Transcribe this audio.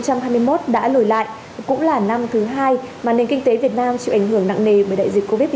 thưa tiến sĩ năm hai nghìn hai mươi một đã lùi lại cũng là năm thứ hai mà nền kinh tế việt nam chịu ảnh hưởng nặng nề bởi đại dịch covid một mươi chín